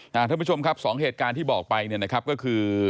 ท่านผู้ชมครับสองเหตุการณ์ที่บอกไปก็คือ